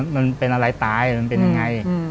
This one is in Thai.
มันเป็นอะไรตายมันเป็นยังไง